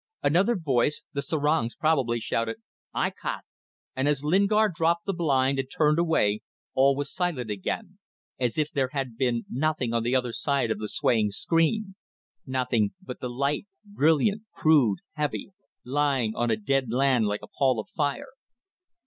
Another voice the serang's probably shouted: "Ikat!" and as Lingard dropped the blind and turned away all was silent again, as if there had been nothing on the other side of the swaying screen; nothing but the light, brilliant, crude, heavy, lying on a dead land like a pall of fire.